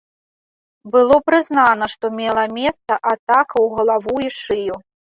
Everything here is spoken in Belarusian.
Было прызнана, што мела месца атака ў галаву і шыю.